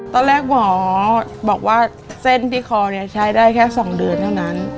ตอนแรกหมอบอกว่าเส้นที่คอใช้ได้แค่๒เดือนเท่านั้น